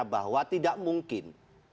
bahwa tidak mungkin